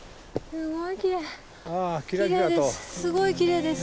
すごいきれいです。